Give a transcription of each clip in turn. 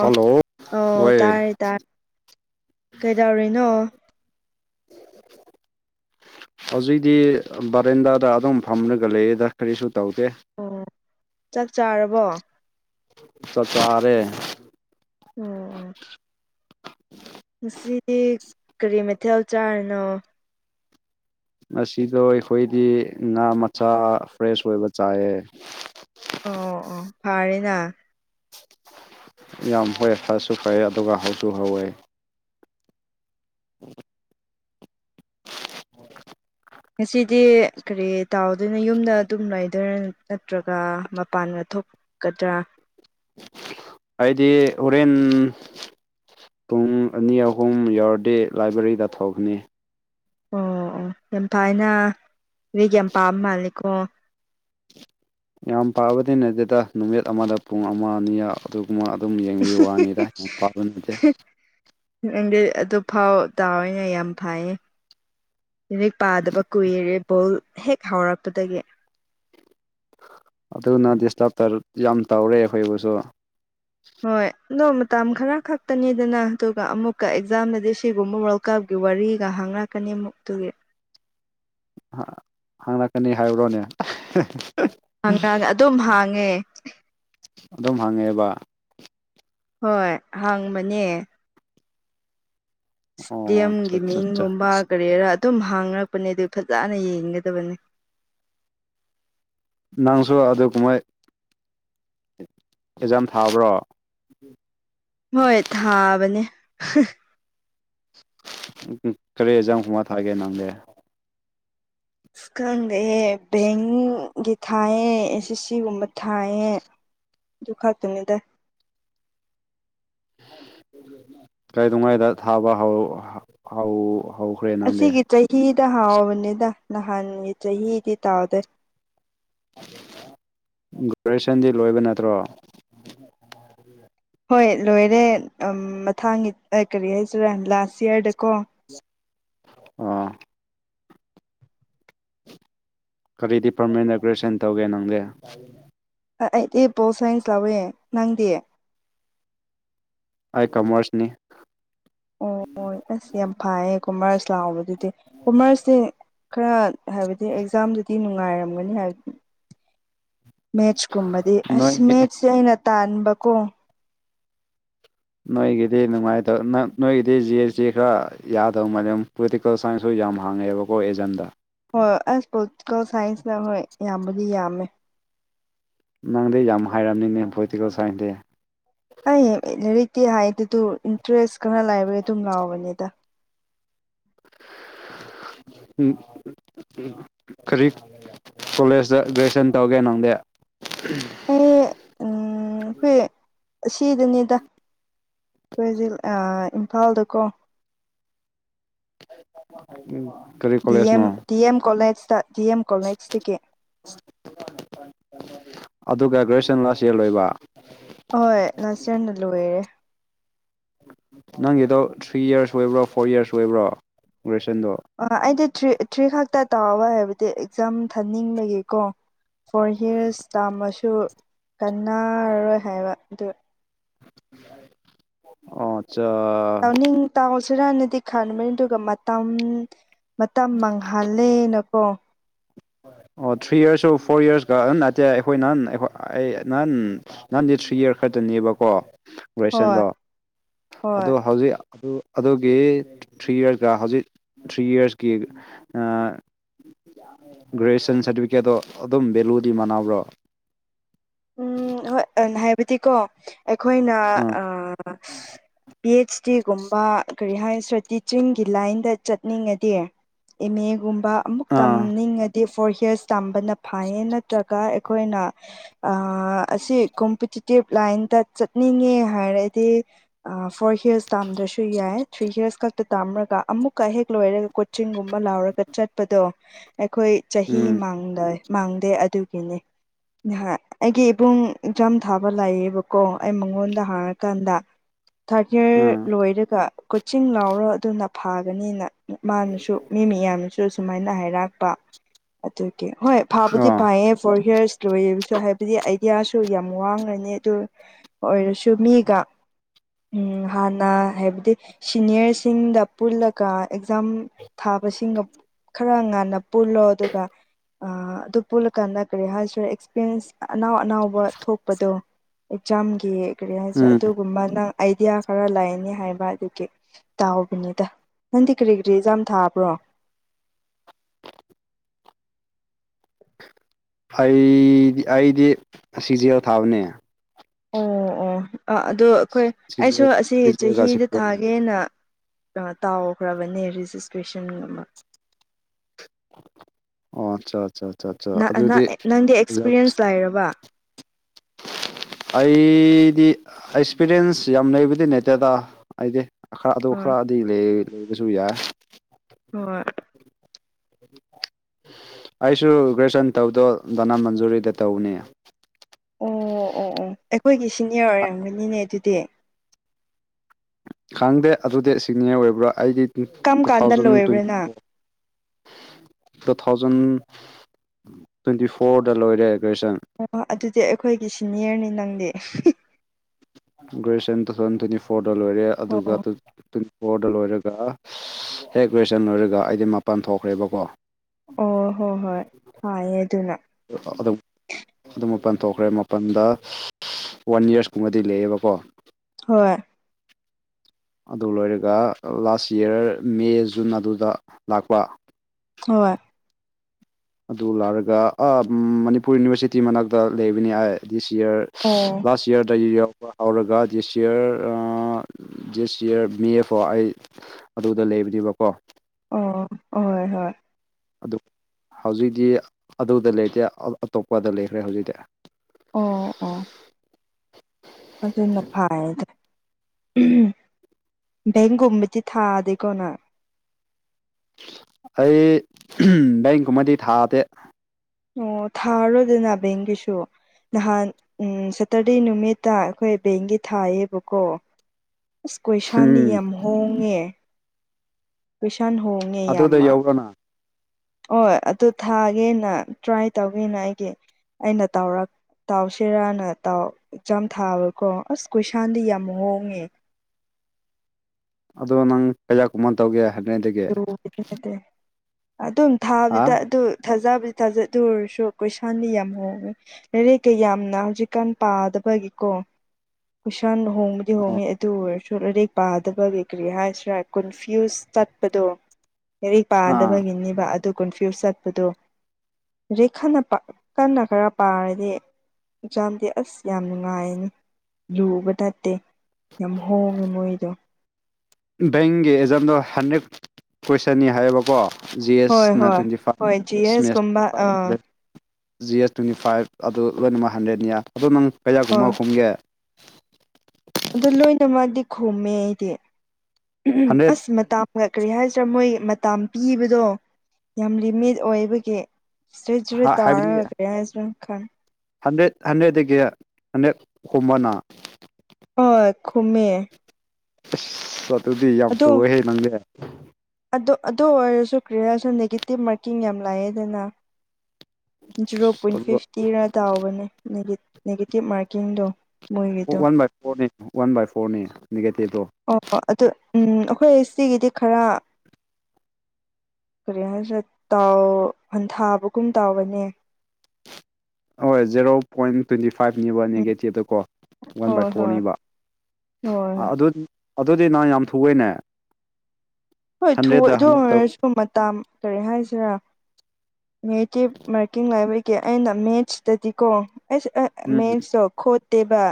ꯑꯣ ꯍꯜꯂꯣ ꯑꯣ ꯍꯣꯏ ꯇꯥꯔꯦ ꯇꯥꯔꯦ ꯀꯩꯗꯧꯔꯤꯅꯣ [unintelligible] ꯍꯧꯖꯤꯛꯇꯤ ꯕꯔꯦꯟꯗꯥꯗ ꯑꯗꯨꯝ ꯐꯝꯔꯒ ꯂꯩꯌꯦꯗ ꯀꯔꯤꯁꯨ ꯇꯧꯗꯦ ꯑꯣ ꯆꯥꯛ ꯆꯥꯔꯕꯣ ꯆꯥꯛ ꯆꯥꯔꯦ ꯎꯝ ꯎꯝ ꯉꯁꯤꯗꯤ ꯀꯔꯤ ꯃꯊꯦꯜ ꯆꯥꯔꯤꯅꯣ ꯑꯁꯤꯗꯣ ꯑꯩꯈꯣꯏꯗꯤ ꯉꯥ ꯃꯆꯥ ꯐ꯭ꯔꯦꯁ ꯑꯣꯏꯕ ꯆꯥꯏꯌꯦ ꯑꯣ ꯑꯣ ꯐꯔꯦꯅ ꯌꯥꯝ ꯍꯣꯏ ꯐꯁꯨ ꯐꯩꯌꯦ ꯑꯗꯨꯒ ꯍꯥꯎꯁꯨ ꯍꯥꯎꯋꯦ [inaudible] ꯉꯁꯤꯗꯤ ꯀꯔꯤ ꯇꯥꯎꯗꯣꯏꯅꯣ ꯌꯨꯝꯗ ꯑꯗꯨꯝ ꯂꯩꯗꯣꯏꯔ ꯅꯠꯇ꯭ꯔꯒ ꯃꯄꯥꯟꯒ ꯊꯣꯛ ꯀꯗꯥ ꯑꯩꯗꯤ ꯍꯣꯔꯦꯟ ꯄꯨꯡ ꯑꯅꯤ ꯑꯍꯨꯝ ꯌꯧꯔꯗꯤ ꯂꯥꯏꯕ꯭ꯔꯦꯔꯤꯗ ꯊꯧꯒꯅꯤ ꯑꯣ ꯑꯣ ꯌꯥꯝ ꯐꯥꯏꯅ ꯂꯥꯏꯔꯤꯛ ꯌꯥꯝ ꯄꯥꯕ ꯃꯥꯜꯂꯦꯀꯣ ꯌꯥꯝ ꯄꯥꯕꯗꯤ ꯅꯠꯇꯦꯗꯥ ꯅꯨꯃꯤꯠ ꯑꯃꯗ ꯄꯨꯡ ꯑꯃ ꯑꯅꯤ ꯑꯗꯨꯒꯨꯝꯕ ꯑꯗꯨꯝ ꯌꯦꯡꯕꯤꯕ ꯋꯥꯅꯤꯗꯥ ꯌꯥꯝ ꯄꯥꯕ ꯅꯠꯇꯦ ꯅꯪꯗꯤ ꯑꯗꯨ ꯐꯥꯎ ꯇꯥꯎꯏꯅ ꯌꯥꯝ ꯐꯌꯦ ꯔꯤꯛ ꯄꯥꯗꯕ ꯀꯨꯏꯔꯦ ꯕꯣꯜ ꯍꯦꯛ ꯍꯥꯎꯔꯛꯄꯗꯒꯤ ꯑꯗꯨꯅ ꯗꯤꯁꯇꯔꯕ ꯌꯥꯝ ꯇꯧꯔꯦ ꯑꯩꯈꯣꯏꯕꯨꯁꯨ ꯍꯣꯏ ꯑꯣ ꯃꯇꯝ ꯈꯔ ꯈꯛꯇꯅꯤꯗꯅ ꯑꯗꯨꯒ ꯑꯃꯨꯛꯀ ꯑꯦꯛꯖꯥꯝꯗꯗꯤ ꯁꯤꯒꯨꯝꯕ ꯀꯞꯀꯤ ꯋꯥꯔꯤꯒ ꯍꯪꯂꯛꯀꯅꯤ ꯑꯃꯨꯛ ꯑꯗꯨꯒꯤ ꯍꯪꯂꯛꯀꯅꯤ ꯍꯥꯏꯕꯔꯣꯅꯦ ꯍꯪꯒꯥꯥꯡ ꯑꯗꯨꯝ ꯍꯥꯡꯉꯦ ꯑꯗꯨꯝ ꯍꯪꯉꯦꯕ ꯍꯣꯏ ꯍꯪꯕꯅꯦ ꯑꯣ ꯑꯠꯆꯥ ꯏꯁꯇꯦꯝꯒꯤ ꯑꯠꯆꯥ ꯑꯠꯆꯥ ꯃꯤꯡꯒꯨꯝꯕ ꯀꯔꯤꯔꯥ ꯑꯗꯨꯝ ꯍꯪꯉꯛꯄꯅꯦ ꯑꯗꯨ ꯐꯖꯅ ꯌꯦꯡꯒꯗꯕꯅꯦ ꯅꯪꯁꯨ ꯑꯗꯨꯒꯨꯝꯕꯣꯏ ꯑꯦꯛꯖꯥꯝ ꯊꯥꯕ꯭ꯔꯣ ꯎꯝ ꯍꯣꯏ ꯊꯥꯕꯅꯦ ꯎ ꯀꯔꯤꯦꯖꯥꯡ ꯍꯨꯃꯥ ꯊꯥꯒꯦ ꯅꯪꯗꯦ ꯈꯪꯗꯦꯍꯦ ꯕꯦꯡꯒꯤ ꯊꯥꯏꯌꯦ ꯑꯦꯁ ꯑꯦꯁ ꯁꯤꯒꯨꯝꯕ ꯊꯥꯏꯌꯦ ꯑꯗꯨ ꯈꯛꯇꯅꯤ ꯀꯩꯗꯉꯩꯗ ꯊꯥꯕ ꯍꯧ ꯍꯧꯈ꯭ꯔꯦ ꯅꯪꯗꯤ ꯑꯁꯤꯒꯤ ꯆꯍꯤꯗ ꯍꯥꯎꯕꯅꯤꯗ ꯅꯍꯥꯟꯒꯤ ꯆꯍꯤꯗꯤ ꯇꯥꯎꯗꯦ ꯒ꯭ꯔꯦꯖꯨꯋꯦꯁꯟꯗꯤ ꯂꯣꯏꯕ ꯅꯠꯇ꯭ꯔꯣ ꯍꯣꯏ ꯂꯣꯏꯔꯦ ꯃꯊꯪꯒꯤ ꯀꯔꯤ ꯍꯥꯏꯁꯤꯔꯥ ꯂꯥꯁ ꯌꯥꯔꯗꯀꯣ ꯑꯥ ꯀꯔꯤ ꯗꯤꯄꯥꯔꯃꯦꯟꯗ ꯒ꯭ꯔꯦꯖꯨꯑꯦꯁꯟ ꯇꯧꯒꯦ ꯅꯪꯗꯦ ꯑꯩꯗꯤ ꯄꯣꯜ ꯁꯥꯏꯟꯁ ꯂꯧꯋꯦ ꯅꯪꯗꯤ ꯑꯩ ꯀꯃꯔꯁꯅꯤ ꯑꯣ ꯑꯁ ꯌꯥꯝ ꯐꯥꯏꯌꯦ ꯀꯣꯃꯔꯁ ꯂꯥꯛꯕꯗꯨꯗꯤ ꯀꯣꯃꯔꯁꯁꯦ ꯈꯔ ꯍꯥꯏꯕꯗꯤ ꯑꯦꯛꯖꯥꯝꯗꯨꯗꯤ ꯅꯨꯡꯉꯥꯏꯔꯝꯒꯅꯤ ꯍꯥꯏ ꯃꯦꯠꯆ ꯀꯨꯝꯕꯗꯤ ꯑꯁ ꯅꯣꯏꯒꯤ ꯃꯦꯠꯁꯦ ꯑꯩꯅ ꯇꯥꯟꯕꯀꯣ ꯅꯣꯏꯒꯤꯗꯤ ꯅꯨꯡꯉꯥꯏꯇꯧ ꯅꯣꯏꯒꯤꯗꯤ ꯖꯦ ꯆꯦ ꯈꯔ ꯌꯥꯗꯧ ꯃ ꯑꯗꯨꯝ ꯄꯣꯂꯤꯇꯤꯀꯦꯜ ꯁꯥꯏꯟꯁꯁꯨ ꯌꯥꯝ ꯍꯥꯡꯉꯦꯕꯀꯣ ꯑꯦꯖꯟꯗ ꯍꯣꯏ ꯍꯣꯏ ꯑꯁ ꯄꯣꯂꯤꯇꯤꯀꯦꯜ ꯁꯥꯏꯟꯁꯅ ꯍꯣꯏ ꯌꯥꯝꯕꯨꯗꯤ ꯌꯥꯝꯃꯦ ꯅꯪꯗꯤ ꯌꯥꯝ ꯍꯥꯏꯔꯝꯅꯤꯅꯦ ꯄꯣꯂꯤꯇꯤꯀꯦꯜ ꯁꯥꯏꯟ ꯑꯩ ꯂꯔꯤꯛꯇꯤ ꯍꯥꯏꯗ ꯑꯗꯨ ꯏꯟꯇꯔꯦꯁ ꯈꯔ ꯂꯥꯏꯕꯦ ꯑꯗꯨꯝ ꯂꯥꯎꯕꯅꯦꯗ ꯎꯝ ꯀꯔꯤ ꯀꯣꯂꯦꯖꯇ ꯒ꯭ꯔꯦꯖꯨꯌꯦꯁꯟ ꯇꯧꯒꯦ ꯅꯪꯗꯦ ꯑꯩ ꯈꯣꯏ ꯁꯤꯗꯅꯤꯗ ꯑꯩꯈꯣꯏꯖꯤꯛ ꯏꯝꯐꯥꯜꯗꯀꯣ ꯎꯝ ꯀꯔꯤ ꯗꯤ ꯑꯦꯝ ꯀꯣꯂꯦꯖꯅꯣ ꯗꯤ ꯑꯦꯝ ꯀꯣꯂꯦꯖꯇ ꯗꯤ ꯑꯦꯝ ꯀꯣꯂꯦꯖꯇꯒꯤ ꯑꯗꯨꯒ ꯒ꯭ꯔꯦꯖꯨꯋꯦꯁꯟ ꯂꯥꯁ ꯌꯥꯔ ꯂꯣꯏꯕ ꯍꯣꯏ ꯂꯥꯁꯌꯥꯔꯅ ꯂꯣꯏꯔꯦ ꯅꯪꯒꯤꯗꯣ ꯊ꯭ꯔꯤ ꯌꯔꯁ ꯑꯣꯏꯕ꯭ꯔꯣ ꯐꯣꯔ ꯌꯔꯁ ꯑꯣꯏꯕ꯭ꯔꯣ ꯒ꯭ꯔꯦꯖꯨꯌꯦꯦꯁꯟꯗꯣ ꯑ ꯑꯩꯗꯤ ꯊ꯭ꯔꯤ ꯊ꯭ꯔꯤ ꯈꯛꯇ ꯇꯥꯕ ꯍꯥꯏꯕꯗꯤ ꯑꯦꯛꯖꯥꯝ ꯊꯥꯅꯤꯡꯕꯒꯦꯀꯣ ꯐꯣꯔ ꯌꯥꯔꯁ ꯇꯥꯝꯕꯁꯨ ꯀꯥꯟꯅꯔꯔꯣꯏ ꯍꯥꯏꯕ ꯑꯣ ꯑꯆꯥ ꯇꯥꯎꯅꯤꯡ ꯇꯥꯎꯁꯤꯔꯥꯟꯅꯗꯤ ꯈꯥꯨꯕꯅꯤ ꯑꯗꯨꯒ ꯃꯇꯝ ꯃꯇꯝ ꯃꯥꯡꯍꯜꯂꯦꯅꯀꯣ ꯑꯣ ꯊ꯭ꯔꯤ ꯌꯥꯔꯁꯁꯨ ꯐꯣꯔ ꯌꯥꯔꯁꯀꯥ ꯅꯠꯇꯦ ꯑꯩꯈꯣꯏ ꯅꯍꯥꯟ ꯑꯩꯈꯣꯏ ꯑꯩ ꯅꯍꯥꯟ ꯅꯥꯏꯟꯗꯤ ꯊ꯭ꯔꯤ ꯏꯔ ꯈꯛꯇꯅꯦꯕꯀꯣ ꯍꯣꯏ ꯒ꯭ꯔꯦꯖꯨꯌꯦꯦꯁꯟꯗꯣ ꯍꯣꯏ ꯑꯗꯣ ꯍꯧꯖꯤꯛ ꯑꯗꯨ ꯑꯗꯨꯒꯤ ꯊ꯭ꯔꯤ ꯏꯔꯁꯀ ꯍꯧꯖꯤꯛ ꯊ꯭ꯔꯤ ꯏꯔꯁꯀꯤ ꯒ꯭ꯔꯦꯖꯨꯑꯌꯦꯁꯟ ꯁꯥꯔꯇꯤꯐꯤꯀꯦꯠꯇꯣ ꯑꯗꯨꯝ ꯚꯦꯂꯨꯗꯤ ꯃꯥꯟꯅꯕ꯭ꯔꯣ ꯎꯝ ꯍꯣꯏ ꯍꯥꯏꯕꯗꯤꯀꯣ ꯑꯩꯈꯣꯏꯅ ꯑꯥ ꯄꯤ ꯑꯩꯆ ꯗꯤꯒꯨꯝꯕ ꯀꯔꯤ ꯍꯥꯏ ꯁꯤꯔꯥ ꯇꯤꯆꯤꯡꯒꯤ ꯂꯥꯏꯟꯗ ꯆꯠꯅꯤꯡꯉꯗꯤ ꯑꯦꯝꯑꯦ ꯒꯨꯝꯕ ꯑꯃꯨꯛ ꯑꯥ ꯇꯝꯅꯤꯡꯉꯗꯤ ꯐꯣꯔ ꯌꯥꯔꯁ ꯇꯝꯕꯅ ꯐꯥꯏꯌꯦ ꯅꯠꯇ꯭ꯔꯒ ꯑꯩꯈꯣꯏꯅ ꯑꯁꯤ ꯀ ꯏꯁꯇꯦꯞ ꯂꯥꯏꯟꯗ ꯆꯠꯅꯤꯡꯉꯦ ꯍꯥꯏꯔꯗꯤ ꯐꯣꯔ ꯍꯤꯜꯁ ꯇꯥꯝꯗꯁꯨ ꯌꯥꯏ ꯊ꯭ꯔꯤ ꯌꯔꯁ ꯈꯛꯇ ꯇꯥꯝꯃꯔꯒ ꯑꯃꯨꯛꯀ ꯍꯦꯛ ꯂꯣꯏꯔꯒ ꯀꯣꯆꯤꯡꯒꯨꯝꯕ ꯂꯥꯎꯔꯒ ꯆꯠꯄꯗꯣ ꯑꯩꯈꯣꯏ ꯆꯍꯤ ꯎꯝ ꯃꯥꯡ ꯃꯥꯡꯗꯦ ꯑꯗꯨꯒꯤꯅꯦ ꯑꯩꯒꯤ ꯏꯕꯨꯡ ꯑꯦꯛꯖꯥꯝ ꯊꯥꯕ ꯂꯥꯛꯌꯦꯕꯀꯣ ꯑꯩ ꯃꯉꯣꯟꯗ ꯍꯥꯏꯔꯀꯥꯟꯗ ꯊꯥꯔꯠ ꯏꯌꯥꯔ ꯑꯥ ꯂꯣꯏꯔꯒ ꯀꯣꯆꯤꯡ ꯂꯥꯎꯔꯣ ꯑꯗꯨꯅ ꯐꯥꯒꯅꯤꯅ ꯃꯥꯅꯁꯨ ꯃꯤꯌꯥꯝꯅꯁꯨ ꯁꯨꯃꯥꯏꯅ ꯍꯥꯏꯔꯥꯛꯄ ꯑꯗꯨꯒꯤ ꯍꯣꯏ ꯐꯥꯕꯗꯤ ꯑꯣ ꯐꯥꯏꯌꯦ ꯐꯣꯔ ꯍꯤꯌꯥꯔꯁ ꯂꯣꯏꯌꯦꯕꯁꯨ ꯍꯥꯏ ꯑꯗꯨꯗꯤ ꯑꯥꯏꯗꯤꯌꯥꯁꯨ ꯌꯥꯝ ꯋꯥꯉꯅꯤ ꯑꯗꯨ ꯑꯣꯏꯔꯁꯨ ꯃꯤꯒ ꯎꯝ ꯍꯥꯟꯅ ꯍꯥꯏꯕꯗꯤ ꯁꯤꯅꯤꯌꯔꯁꯤꯡꯗ ꯄꯨꯜꯂꯒ ꯑꯦꯛꯖꯥꯝ ꯊꯥꯕꯁꯤꯡꯒ ꯈꯔꯥ ꯉꯥꯟꯟꯅ ꯄꯨꯜꯂꯣ ꯑꯗꯨꯒ ꯑ ꯑꯗꯨ ꯄꯨꯜꯂꯀꯥꯟꯗ ꯀꯔꯤ ꯍꯥꯏꯁꯤꯔꯦ ꯑꯦꯛꯁꯄꯤꯔꯤꯌꯦꯟꯁ ꯑꯅꯥꯎ ꯑꯅꯥꯎꯕ ꯊꯣꯛꯄꯗꯣ ꯑꯦꯛꯖꯥꯝꯒꯤ ꯀꯔꯤ ꯍꯥꯏꯁꯤꯔꯥ ꯎꯝ ꯑꯗꯨ ꯒꯨꯝꯕ ꯅꯪ ꯑꯥꯏꯗꯤꯌꯥ ꯈꯔ ꯂꯩꯅꯤ ꯍꯥꯏꯕ ꯑꯗꯨꯒꯤ ꯇꯥꯎꯕꯅꯤꯗ ꯅꯪꯗꯤ ꯀꯔꯤ ꯀꯔꯤ ꯑꯦꯖꯥꯡ ꯊꯥꯕ꯭ꯔꯣ ꯑꯩ ꯑꯩꯗꯤ ꯁꯤꯖꯤꯑꯣꯜ ꯊꯥꯕꯅꯦ ꯑꯣ ꯑꯣ ꯑ ꯑꯗꯨꯣ ꯑꯩꯈꯣꯏ ꯑꯩꯁꯨ ꯁꯤꯖꯦꯜ ꯑꯁꯤ ꯁꯤꯖꯦꯜꯒ ꯆꯍꯤꯗ ꯁꯤꯞꯇꯣꯅꯦ ꯊꯥꯒꯦꯅ ꯇꯥꯎꯈ꯭ꯔꯕꯅꯦ ꯔꯦꯖꯤꯁꯇ꯭ꯔꯦꯁꯟ ꯑꯃ ꯑꯣ ꯑꯠꯆꯥ ꯑꯠꯆꯥꯆꯥ ꯑꯆꯥ ꯑꯆꯥ ꯑꯗꯨꯗꯤ ꯍꯥꯏꯔꯕ ꯑꯩꯗꯤ ꯑꯦꯛꯁꯄꯤꯔꯤꯌꯦꯟꯁ ꯌꯥꯝ ꯂꯩꯕꯗꯤ ꯅꯠꯇꯦꯗꯥ ꯑꯩꯗꯤ ꯈꯔ ꯑꯗꯨ ꯍꯣꯏ ꯈꯔꯗꯤ ꯂꯩꯕꯁꯨ ꯌꯥꯏ ꯍꯣꯏ ꯎ ꯑꯩꯁꯨ ꯒ꯭ꯔꯦꯖꯨꯋꯦꯁꯟ ꯇꯧꯗꯣ ꯗꯥꯅꯥ ꯃꯟꯖꯨꯔꯤꯗ ꯇꯧꯅꯦ ꯑꯣ ꯑꯣ ꯑꯣ ꯑꯩꯈꯣꯏꯒꯤ ꯁꯤꯅꯤꯌꯔ ꯑꯣꯏꯔꯝꯒꯅꯤꯅꯦ ꯑꯗꯨꯗꯤ ꯈꯪꯗꯦ ꯑꯗꯨꯗ ꯁꯤꯒꯅꯤꯌꯔ ꯑꯣꯏꯕ꯭ꯔꯥ ꯑꯩꯗꯤ ꯀꯔꯝ ꯇꯨ ꯀꯥꯟꯗ ꯊꯥꯎꯖꯟ ꯂꯣꯏꯕ꯭ꯔꯅ ꯇ꯭ꯋꯦꯟꯇꯤꯣꯔ ꯇꯨ ꯊꯥꯎꯖꯟ ꯇ꯭ꯋꯦꯟꯇꯤ ꯐꯣꯔꯗ ꯂꯣꯏꯔꯦ ꯑꯩꯈꯣꯏꯁꯦ ꯑꯣ ꯑꯗꯨꯗꯤ ꯑꯩꯈꯣꯏꯒꯤ ꯁꯤꯅꯤꯌꯔꯅꯤ ꯅꯪꯗꯤ ꯒ꯭ꯔꯦꯖꯨꯋꯦꯁꯟ ꯇꯨ ꯊꯥꯎꯖꯟ ꯇ꯭ꯋꯦꯟꯇꯤ ꯐꯣꯔꯗ ꯂꯣꯏꯔꯦ ꯑꯗꯨꯒ ꯑꯣ ꯣꯔꯗ ꯂꯣꯏꯔꯒ ꯍꯦꯛ ꯒ꯭ꯔꯦꯁꯟ ꯂꯣꯏꯔꯒ ꯑꯩꯗꯤ ꯃꯄꯥꯟ ꯊꯣꯛꯈ꯭ꯔꯦꯕꯀꯣ ꯑꯣ ꯍꯣꯏ ꯍꯣꯏ ꯐꯌꯦ ꯑꯗꯨꯅ ꯑꯗꯨ ꯑꯗꯨ ꯑꯗꯨ ꯃꯄꯟ ꯊꯣꯛꯈ꯭ꯔꯦ ꯃꯥꯄꯜꯗ ꯋꯥꯟ ꯌꯔꯁꯀꯨꯝꯕꯗꯤ ꯂꯩꯑꯦꯕꯀꯣ ꯍꯣꯏ ꯑꯗꯨ ꯂꯣꯏꯔꯒ ꯂꯥꯁ ꯌꯔ ꯃꯦ ꯖꯨꯟ ꯑꯗꯨꯗ ꯂꯥꯛꯄ ꯍꯣꯏ ꯑꯗꯨ ꯂꯥꯛꯔꯒ ꯃꯅꯤꯄꯨꯔ ꯌꯨꯅꯤꯚꯔꯁꯤꯇꯤ ꯃꯅꯥꯛꯇ ꯂꯩꯕꯅꯤ ꯑ ꯗꯤꯁ ꯏꯌꯔ ꯑꯣ ꯂꯥꯁ ꯏꯌꯥꯔꯗꯏꯎ ꯍꯧꯔꯒ ꯗꯤꯁ ꯌꯔ ꯗꯤꯁ ꯌꯔ ꯃꯦꯐꯥꯎ ꯑꯩ ꯑꯗꯨꯗ ꯂꯩꯕꯅꯦꯕꯀꯣ ꯑꯣ ꯍꯣꯏ ꯍꯣꯏ ꯑꯗꯨ ꯍꯧꯖꯤꯛꯇꯤ ꯑꯗꯨꯗ ꯂꯩꯇꯦ ꯑꯇꯣꯞꯄꯗ ꯂꯩꯈ꯭ꯔꯦ ꯍꯧꯖꯤꯛꯇꯤ ꯑꯣ ꯑꯣ [unintelligible] ꯕꯦꯡꯒꯨꯝꯕꯗꯤ ꯊꯥꯗꯦꯀꯣꯅ ꯑꯩ ꯕꯦꯡ ꯀꯨꯝꯕꯩꯗꯤ ꯊꯥꯗꯦ ꯑꯣ ꯊꯥꯔꯣꯏꯗꯅ ꯕꯦꯡꯒꯤꯁꯨ ꯅꯍꯥꯟ ꯎꯝ ꯁꯦꯇꯔꯗꯦ ꯅꯨꯃꯤꯠꯇ ꯑꯩꯈꯣꯏ ꯕꯦꯡꯒꯤ ꯊꯥꯏꯌꯦꯕꯀꯣ ꯑꯁ ꯀꯣꯏꯁꯥꯟꯗꯤ ꯎꯝ ꯌꯥꯝ ꯍꯣꯡꯉꯦ ꯀꯣꯢꯁꯟ ꯍꯣꯡ ꯑꯗꯨꯗ ꯌꯧꯕ꯭ꯔꯅ ꯍꯣꯏ ꯑꯗꯨ ꯊꯥꯒꯦꯅ ꯇ꯭ꯔꯥꯏ ꯇꯧꯒꯦꯅ ꯑꯩꯒꯤ ꯑꯩꯅ ꯇꯧꯔꯛ ꯇꯥꯎꯁꯤꯔꯥꯅ ꯇꯥꯎ ꯑꯦꯛꯖꯥꯝ ꯊꯥꯕꯀꯣ ꯑꯁ ꯀꯣꯏꯁꯥꯟꯗꯤ ꯌꯥꯝ ꯍꯣꯡꯉꯦ ꯑꯗꯣ ꯅꯪ ꯀꯩꯌꯥ ꯀꯨꯃꯥ ꯇꯧꯒꯦ ꯍꯥꯟꯅꯦꯗꯒꯤ ꯑꯗꯨꯝ ꯑ ꯊꯥꯕꯗ ꯑꯗꯨ ꯊꯥꯖꯕꯗꯤ ꯊꯥꯖ ꯑꯗꯨ ꯑꯣꯏꯔꯁꯨ ꯀꯣꯏꯁꯥꯟꯗꯤ ꯌꯥꯝ ꯍꯣꯡꯉꯦ ꯂꯩꯔꯤꯛꯀ ꯌꯥꯝꯅ ꯍꯧꯖꯤꯛꯀꯥꯟ ꯄꯥꯗꯕꯒꯤꯀꯣ ꯀꯣꯢꯁꯟ ꯍꯣꯡꯕꯗꯤ ꯑꯣ ꯍꯣꯡꯉꯦ ꯑꯗꯨ ꯑꯣꯏꯔꯁꯨ ꯂꯥꯏꯔꯤꯛ ꯄꯥꯗꯕ ꯀꯔꯤ ꯍꯥꯏꯁꯤꯔꯥ ꯀꯣꯟꯐ꯭ꯌꯨꯁ ꯆꯠ ꯆꯠꯄꯗꯣ ꯂꯩꯔꯤꯛ ꯑꯥ ꯄꯥꯗꯕꯒꯤꯅꯤꯕ ꯑꯗꯨ ꯀꯣꯟꯐ꯭ꯌꯨꯁ ꯆꯠꯄꯗꯣ ꯂꯩꯔꯤ ꯈꯟꯅ ꯀꯟꯅ ꯈꯔ ꯄꯥꯔꯗꯤ ꯑꯦꯛꯖꯥꯝꯗꯤ ꯑꯁ ꯌꯥꯝ ꯅꯨꯡꯉꯥꯏꯅꯤ ꯂꯨꯕ ꯅꯠꯇꯦ ꯌꯥꯝ ꯍꯣꯡꯉꯦ ꯃꯣꯏꯗꯣ ꯕꯦꯡꯒꯤ ꯑꯦꯖꯥꯝꯗꯣ ꯍꯟꯗ꯭ꯔꯦ ꯀꯣꯏꯁꯟꯅꯤ ꯍꯥꯏꯌꯦꯕꯀꯣ ꯖꯤ ꯍꯣꯏ ꯑꯦꯁ ꯍꯣꯏ ꯇ꯭ꯋꯦꯟꯇꯤ ꯍꯣꯏ ꯖꯤ ꯑꯦꯁ ꯀꯨꯝꯕ ꯑꯥ ꯐꯥꯚ [unintelligible] ꯖꯤ ꯑꯦꯁ ꯇ꯭ꯋꯦꯟꯇꯤ ꯐꯥꯏꯚ ꯑꯗꯨ ꯂꯣꯏꯅꯃꯛ ꯍꯟꯗ꯭ꯔꯦꯠꯅꯤꯌꯥ ꯑꯗꯣ ꯅꯪ ꯀꯩꯌꯥ ꯀꯨꯝꯕ ꯍꯣꯏ ꯈꯨꯝꯒꯦ ꯑꯗꯣ ꯂꯣꯏꯅꯃꯛꯗꯤ ꯈꯣꯝꯃꯦ ꯑꯩꯗꯤ ꯍꯟꯗ꯭ꯔꯦꯠ ꯑꯁ ꯃꯇꯥꯝ ꯀ꯭ꯔꯤ ꯍꯥꯏꯁꯤꯔꯥ ꯃꯣꯏ ꯃꯇꯝ ꯄꯤꯕꯗꯣ ꯌꯥꯝ ꯂꯤꯃꯤꯠ ꯑꯣꯏꯕꯒꯤ [unintelligible] ꯍꯥꯏꯕꯗꯤ ꯇꯥꯎꯔꯒꯦ ꯀꯔꯤ ꯍꯥꯢꯁꯤꯔꯥ ꯈꯪ ꯍꯟꯗ꯭ꯔꯦꯠ ꯍꯟꯗ꯭ꯔꯦꯠꯇꯗꯒꯤ ꯍꯟꯗ꯭ꯔꯦꯠ ꯈꯨꯝꯕ ꯅ ꯍꯣꯏ ꯈꯨꯝꯃꯦ ꯑꯁ ꯑꯗꯨꯗꯤ ꯌꯥꯝ ꯇꯨꯋꯦꯍꯦ ꯅꯪꯗꯤ ꯑꯗꯨ ꯑꯗꯨ ꯑꯣꯏꯔꯁꯨ ꯀ꯭ꯔꯤ ꯍꯥꯢꯁꯤꯔ ꯅꯦꯒꯦꯇꯤꯞ ꯃꯥꯔꯀꯤꯡ ꯌꯥꯝ ꯂꯥꯢꯑꯦꯗꯅ ꯖꯤꯔꯣ ꯄꯣꯏꯟ ꯑꯗꯨꯒ ꯐꯤꯐꯇꯤꯔ ꯇꯥꯎꯕꯅꯦ ꯅꯦꯒꯦ ꯅꯦꯒꯦꯇꯤꯞ ꯃꯥꯔꯀꯤꯡꯗꯣ ꯑꯣ ꯃꯣꯏꯒꯤꯗꯣ ꯋꯥꯟ ꯕꯥꯏ ꯐꯣꯔꯅꯦ ꯋꯥꯟ ꯕꯥꯏ ꯐꯣꯔꯅꯦ ꯅꯦꯒꯦꯇꯤꯞꯗꯣ ꯑꯣ ꯑꯗꯨ ꯎꯝ ꯑꯩꯈꯣꯏ ꯁꯤꯒꯤꯗꯤ ꯈꯔ ꯀꯔꯤ ꯍꯥꯏꯁꯤ ꯇꯥꯎ ꯍꯟꯊꯥꯕꯒꯨꯝ ꯇꯥꯎꯕꯅꯦ ꯍꯣꯏ ꯖꯦꯔꯣ ꯄꯣꯏꯟ ꯇ꯭ꯋꯦꯟꯇꯤ ꯐꯥꯏꯚꯅꯤꯕ ꯅꯦꯒꯦꯇꯤꯞꯇꯣꯀꯣ ꯋꯥꯟ ꯕꯥꯏ ꯍꯣꯏ ꯍꯣꯏ ꯐꯣꯔꯅꯤꯕ ꯍꯣꯏ ꯍꯣꯏ ꯑꯗꯨ ꯑꯗꯨꯗꯤ ꯅꯪ ꯌꯥꯝ ꯊꯨꯑꯦꯅꯦ ꯍꯣꯏ ꯊꯨꯋꯦ ꯑꯗꯨ ꯇꯧ ꯑꯣꯢꯔꯁꯨ ꯃꯇꯝ ꯀꯔꯤ ꯍꯥꯏꯁꯤꯔꯥ ꯅꯦꯇꯤꯞ ꯃꯥꯔꯀꯤꯡ ꯂꯥꯢꯕꯒꯤ ꯑꯩꯅ ꯃꯦꯠꯁꯇꯗꯤꯀꯣ ꯑꯩꯁ ꯎꯝ ꯃꯦꯠꯁꯇꯣ ꯈꫭꯠ ꯇꯦꯕ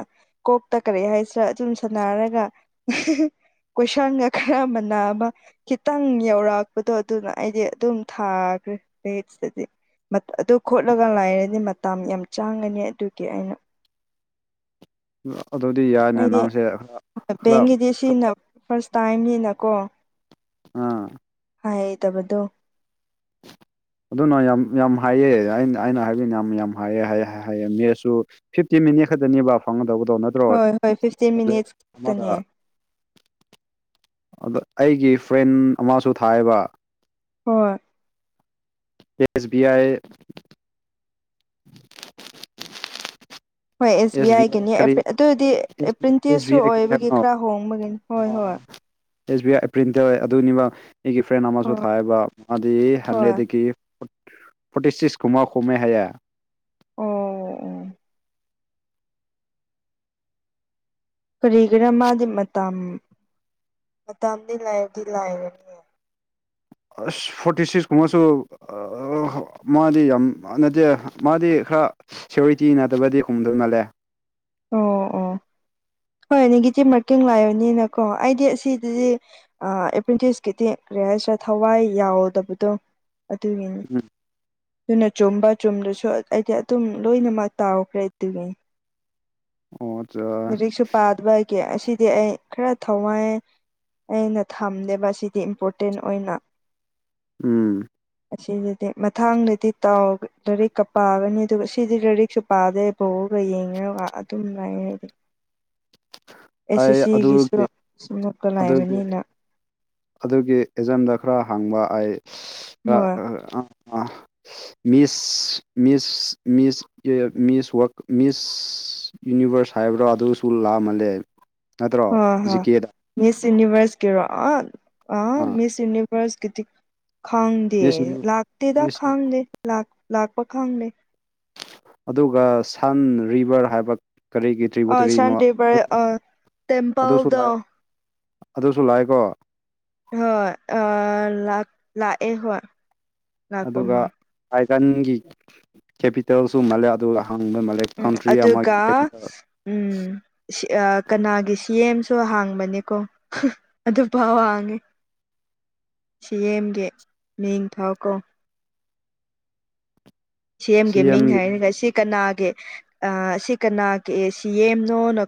ꯀꯣꯛꯇ ꯀꯔꯤ ꯍꯥꯏꯁꯤꯔꯥ ꯑꯗꯨꯨꯝ ꯁꯅꯔꯒ ꯀꯣꯏꯁꯥꯡꯒ ꯈꯔ ꯃꯥꯟꯅꯕ ꯈꯤꯇꯪ ꯌꯧꯔꯥꯛꯄꯗꯣ ꯑꯗꯨꯅ ꯑꯩꯗꯤ ꯑꯗꯨꯝ ꯊꯥꯒ꯭ꯔꯦ ꯃꯦꯠꯁ ꯇꯗꯤ ꯑꯗꯨ ꯈꯣꯠꯂꯒ ꯂꯥꯏꯔꯗꯤ ꯃꯇ ꯌꯥꯝ ꯆꯥꯡꯉꯅꯤ ꯑꯗꯨꯒꯤ ꯑꯩꯅ ꯑꯗꯨꯗꯤ ꯌꯥꯏ ꯑꯩꯗꯤ ꯕꯦꯡꯒꯤꯗꯤ ꯁꯤꯅ ꯐꯥꯔꯁ ꯇꯥꯏꯝꯅꯤꯅꯀꯣ ꯑꯥ ꯍꯥꯏꯗꯕꯗꯣ ꯑꯗꯨꯅ ꯌꯥꯝ ꯌꯥꯝ ꯍꯥꯏꯌꯦ ꯑꯩꯅ ꯑꯩꯅ ꯍꯥꯏꯕꯅꯤ ꯌꯥꯝ ꯌꯥꯝ ꯍꯥꯏ ꯍꯥꯏꯌꯦ ꯃꯦꯠꯁꯨ ꯐꯤꯐꯇꯤ ꯃꯤꯅꯤꯠ ꯈꯛꯇꯅꯦꯕ ꯐꯪꯒꯗꯕꯗꯣ ꯅꯠꯇ꯭ꯔꯣ ꯍꯣꯏ ꯍꯣꯏ ꯐꯤꯐꯇꯤꯟ ꯃꯤꯅꯤꯠꯁ ꯑꯃꯗ ꯈꯛꯇꯅꯦ ꯑꯗ ꯑꯩꯒꯤ ꯐ꯭ꯔꯦꯟ ꯑꯃꯁꯨ ꯊꯥꯏꯌꯦꯕ ꯍꯣꯏ ꯑꯦꯁ ꯕꯤ ꯑꯥꯏ ꯍꯣꯏ ꯑꯦꯁ ꯕꯤ ꯑꯥꯏꯒꯤꯅꯤ ꯑꯗꯨꯗꯤ ꯑꯦꯁ ꯑꯦꯄ꯭ꯔꯤꯟꯇꯦꯠꯁꯨ ꯕꯤ ꯑꯥꯏ ꯀꯔꯤ ꯑꯣꯏꯕꯒꯤ ꯍꯥꯏꯕꯅꯣ ꯈꯔ ꯍꯣꯡꯕꯒꯤꯅꯤ ꯍꯣꯏ ꯍꯣꯏ ꯑꯦꯁ ꯕꯤ ꯑꯥꯏ ꯄ꯭ꯔꯤꯟꯇꯔ ꯑꯗꯨꯅꯤꯕ ꯑꯩꯒꯤ ꯐ꯭ꯔꯦꯟ ꯑꯃꯁꯨ ꯑꯣ ꯊꯥꯏꯌꯦꯕ ꯃꯥꯗꯤ ꯍꯣꯏ ꯑꯣ ꯍꯟꯗ꯭ꯔꯦꯗꯒꯤ ꯐꯣꯔꯇꯤ ꯁꯤꯛꯁ ꯀꯨꯝꯃ ꯍꯨꯝꯃꯦ ꯍꯥꯏꯌꯥ ꯑꯣ ꯑꯣ ꯀꯔꯤꯒꯤꯔꯥ ꯃꯥꯗꯤ ꯃꯇꯝ ꯃꯇꯝꯗꯤ ꯂꯥꯏꯔꯗꯤ ꯂꯥꯏꯔꯦ ꯑꯁ ꯐꯣꯔꯇꯤ ꯁꯤꯛꯁꯀꯨꯝꯕꯁꯨ ꯃꯥꯗꯤ ꯌꯥꯝ ꯅꯠꯇꯦ ꯃꯥꯗꯤ ꯈꯔ ꯁꯤꯌꯎꯔꯤꯇꯤ ꯅꯠꯇꯕꯗꯤ ꯈꯨꯝꯗꯧ ꯃꯥꯜꯂꯦ ꯑꯣ ꯑꯣ ꯍꯣꯏ ꯅꯦꯒꯦꯇꯤꯞ ꯃꯥꯔꯀꯤꯡ ꯂꯩꯕꯅꯤꯅꯀꯣ ꯑꯩꯗꯤ ꯑꯁꯤꯗꯗꯤ ꯑꯦꯄ꯭ꯦꯟꯇꯤꯁꯀꯤ ꯔꯤꯍꯥꯜꯁꯦꯜ ꯊꯋꯥꯏ ꯌꯥꯎꯗꯕꯗꯣ ꯑꯗꯨꯒꯤꯅꯤ ꯎꯝ ꯑꯗꯨꯅ ꯆꯨꯝꯕ ꯆꯨꯝꯗꯁꯨ ꯑꯩꯗꯤ ꯑꯗꯨꯝ ꯂꯣꯏꯅꯃꯛ ꯇꯥꯎꯈ꯭ꯔꯦ [unintelligible] ꯑꯣ ꯖꯥ ꯂꯥꯏꯔꯤꯛꯁꯨ ꯄꯥꯗꯕ ꯑꯩꯒꯤ ꯑꯁꯤꯗꯤ ꯑꯩ ꯈꯔ ꯊꯋꯥꯏ ꯑꯩꯅ ꯊꯝꯗꯦꯕ ꯑꯁꯤꯗꯤ ꯏꯝꯄꯣꯔꯇꯦꯟ ꯑꯣꯏꯅ ꯎꯝ ꯑꯁꯤꯗꯗꯤ ꯃꯊꯥꯡꯗꯗꯤ ꯇꯥꯎ ꯂꯥꯏꯔꯤꯛꯀ ꯄꯥꯒꯅꯤ ꯑꯗꯨꯒ ꯁꯤꯗꯤ ꯂꯥꯏꯔꯤꯛꯁꯨ ꯄꯥꯗꯦꯕ ꯕꫭꯜꯒ ꯌꯦꯡꯉꯒ ꯑꯗꯨꯝ ꯂꯩꯌꯦ ꯑꯩꯗꯤ ꯑꯦꯁ ꯑꯦꯁ ꯑꯩ ꯁꯤꯒꯤꯁꯨ ꯑꯗꯨꯒꯤ ꯑꯗꯨꯒꯤ ꯁꯨꯝꯃꯛꯄꯂꯥꯏꯕꯅꯤꯅ ꯑꯗꯨꯒꯤ ꯑꯦꯖꯥꯝꯗ ꯈꯔ ꯍꯥꯡꯕ ꯑꯩ ꯑꯥ ꯍꯣꯏ ꯑꯥ ꯃꯤꯁ ꯃꯤꯁ ꯃꯤꯁ ꯃꯤꯁ ꯃꯤꯁ ꯌꯨꯅꯤꯚꯔꯁ ꯍꯥꯏꯕ꯭ꯔꯥ ꯑꯗꯨꯁꯨ ꯂꯥꯛꯑꯃꯜꯂꯦ ꯅꯠꯇ꯭ꯔꯣ ꯍꯥ ꯍꯥ ꯖꯤꯀꯦꯗ ꯃꯤꯁ ꯌꯨꯅꯤꯚꯔꯁꯀꯤꯔꯣ ꯑ ꯑ ꯑꯥ ꯃꯤꯁ ꯌꯨꯅꯤ ꯚꯔꯁꯀꯤꯗꯤ ꯈꯪꯗꯦ ꯃꯤꯁ ꯌꯨꯅꯤ ꯂꯥꯛꯇꯦꯗ ꯃꯤꯁ ꯈꯪꯗꯦ ꯂꯥꯛꯄ ꯈꯪꯗꯦ ꯑꯗꯨꯒ ꯁꯟ ꯔꯤꯕꯔ ꯍꯥꯏꯕ ꯀꯔꯤꯒꯤ ꯑ ꯇ꯭ꯔꯤꯕꯨꯇ꯭ꯔꯤꯅꯣ ꯁꯥꯟ ꯔꯤꯚꯔ ꯑ [unintelligible] ꯑꯗꯨꯁꯨ ꯂꯥꯛꯑ ꯇꯦꯝꯄꯜꯗꯣ ꯑꯗꯨꯁꯨ ꯂꯥꯛꯑꯀꯣ ꯍꯣꯏ ꯑꯥ ꯂꯥꯛ ꯂꯥꯛꯑꯦ ꯍꯣꯏ ꯂꯥꯛꯄ ꯑꯗꯨꯒ ꯃꯥ ꯑꯥꯏꯒꯟꯒꯤ ꯀꯦꯄꯤꯇꯦꯜꯁꯨ ꯃꯥꯜꯂꯦ ꯑꯗꯨꯒ ꯍꯥꯡꯕ ꯃꯥꯜꯂꯦ ꯎꯝ ꯀꯟꯇ꯭ꯔꯤ ꯑꯃꯒꯤ ꯑꯗꯨꯒ ꯀꯦꯄꯤꯇꯦꯜ ꯎꯝ ꯀꯅꯥꯒꯤ ꯁꯤ ꯑꯦꯝꯁꯨ ꯍꯥꯡꯕꯅꯦꯀꯣ ꯑꯗꯨ ꯄꯥꯎ ꯍꯪꯡꯉꯦ ꯁꯤ ꯑꯦꯝꯒꯤ ꯃꯤꯡ ꯐꯥꯎꯀꯣ ꯁꯤ ꯑꯦꯝꯒꯤ ꯃꯤꯡ ꯍꯥꯏꯔꯒ ꯁꯤ ꯀꯅꯥꯒꯤ ꯑꯥ ꯁꯤ ꯀꯅꯥꯒꯤ ꯑꯦ ꯁꯤ ꯑꯦꯝꯅꯣꯅ